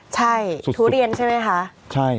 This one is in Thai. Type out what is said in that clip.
ใช่ทุเรียนใช่ไหมคะ